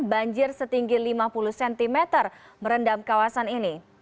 banjir setinggi lima puluh cm merendam kawasan ini